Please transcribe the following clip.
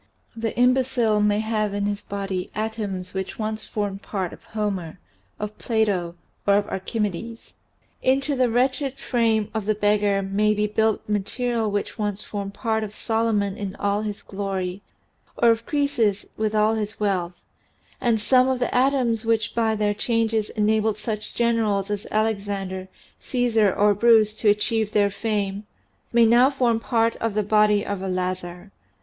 The imbecile may have in his body atoms which once formed part of Homer, of Plato, or of Archi medes. Into the wretched frame of the beggar may be built material which once formed part of Solomon in all his glory or of Croesus with all his wealth, and some of the atoms which by their changes enabled such generals as Alexander, Caesar, or Bruce to achieve their fame, may now form part of the body of a lazar.